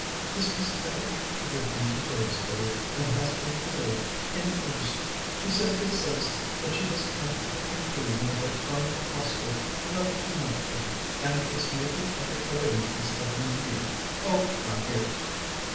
This was evidently written two days ago, and has been delayed in the post. She simply says that she has come to the conclusion that I find the Hostel rather too much for me and is making other arrangements at the New Year. Oh, my dear!"